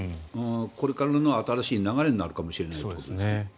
これからの新しい流れになるかもしれないということですね。